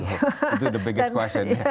itu tujuan pertama